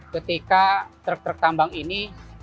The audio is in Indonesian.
ketika truk truk tambang ini